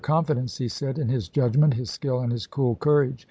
confidence," he said, "in his judgment, his skill, and his cool courage.